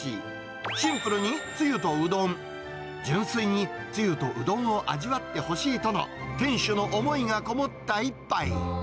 シンプルにつゆとうどん、純粋につゆとうどんを味わってほしいとの店主の思いが込もった一杯。